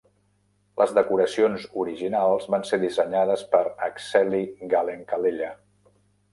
Les decoracions originals van ser dissenyades per Akseli Gallen-Kallela.